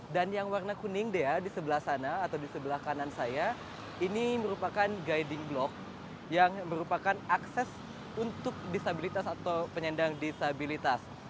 dan yang warna kuning dea di sebelah sana atau di sebelah kanan saya ini merupakan guiding block yang merupakan akses untuk disabilitas atau penyendang disabilitas